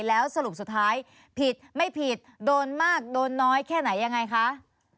แล้วสรุปสุดท้ายผิดไม่ผิดโดนมากโดนน้อยแค่ไหนยังไงคะ